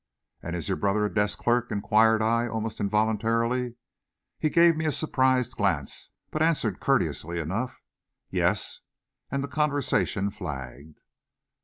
"And is your brother a desk clerk?" inquired I almost involuntarily: He gave me a surprised glance, but answered courteously enough, "Yes;" and the conversation flagged.